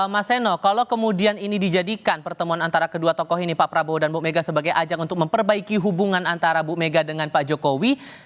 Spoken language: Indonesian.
mas seno kalau kemudian ini dijadikan pertemuan antara kedua tokoh ini pak prabowo dan bu mega sebagai ajang untuk memperbaiki hubungan antara bu mega dengan pak jokowi